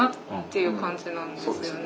いう感じなんですよね。